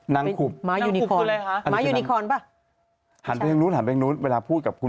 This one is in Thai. นางคูบนางคูบกูให้ไปปกติ